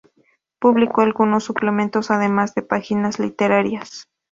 Publicó algunos suplementos, además de páginas literarias.